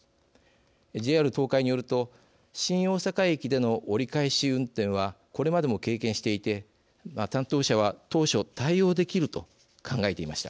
ＪＲ東海によると新大阪駅での折り返し運転はこれまでも経験していて担当者は当初対応できると考えていました。